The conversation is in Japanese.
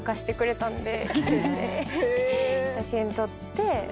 写真撮って。